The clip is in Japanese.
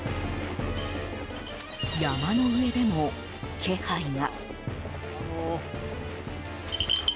山の上でも気配が。